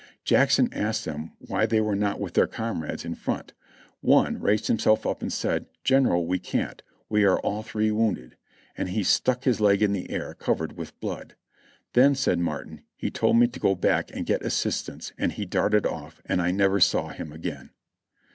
Jackson asked them why they were not with their comrades in front. One raised himself up and said : "General, we can't, we are all three wounded." And he stuck his leg in the air, covered with blood. "Then," said Martin, "he told me to go back and get assistance, and he darted off and I never saw him again.